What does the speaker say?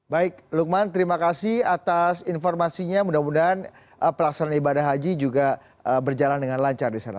baik lukman terima kasih atas informasinya mudah mudahan pelaksanaan ibadah haji juga berjalan dengan lancar di sana